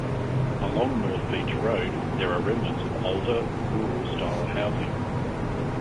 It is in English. Along North Beach Road, there are remnants of older, rural-style housing.